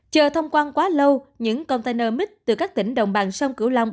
chờ thông quan quá lâu những container mít từ các tỉnh đồng bằng sông cửu long